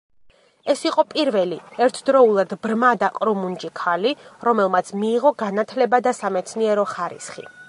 ის იყო პირველი ერთდროულად ბრმა და ყრუ-მუნჯი ქალი, რომელმაც მიიღო განათლება და სამეცნიერო ხარისხი.